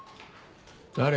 誰？